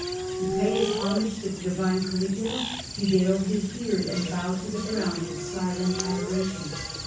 To pay his homage to the divine Caligula he veiled his bearjj and bowed to ^ the ground in silent adoration.